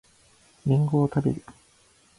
りんごを食べる